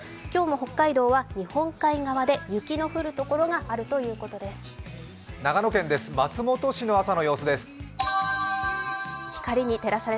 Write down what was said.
今日も北海道は日本海側で雪の降るところがあるということです。